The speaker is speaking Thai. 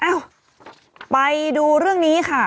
เอ้าไปดูเรื่องนี้ค่ะ